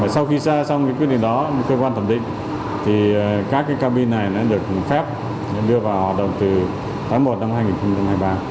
sau khi ra xong cái quy định đó cơ quan thẩm định thì các cabin này đã được phép đưa vào hoạt động từ tám mươi một năm hai nghìn hai mươi ba